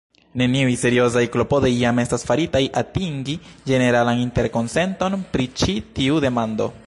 Neniuj seriozaj klopodoj jam estas faritaj atingi ĝeneralan interkonsenton pri ĉi tiu demando.